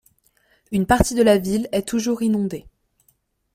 Une partie de la ville est toujours inondée.